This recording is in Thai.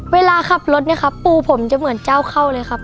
เวลาขับรถเนี่ยครับปูผมจะเหมือนเจ้าเข้าเลยครับ